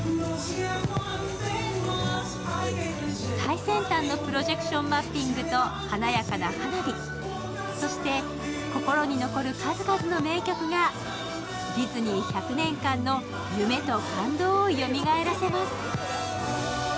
最先端のプロジェクションマッピングと華やかな花火、そして心に残る数々の名曲がディズニー１００年間の夢と感動をよみがえらせます。